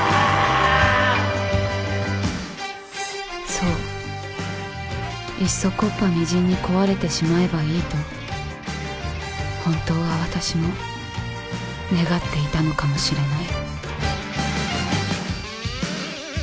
そういっそ木っ端みじんに壊れてしまえばいいと本当は私も願っていたのかもしれない。